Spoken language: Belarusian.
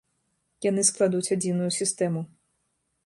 Яны складуць адзіную сістэму.